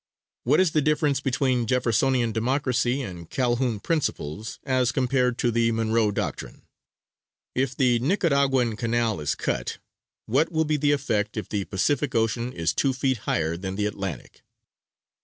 "What is the difference between Jeffersonian Democracy and Calhoun principles, as compared to the Monroe Doctrine? "If the Nicaragua Canal is cut, what will be the effect if the Pacific Ocean is two feet higher than the Atlantic?"